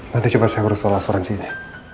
nanti coba saya urus soal asuransinya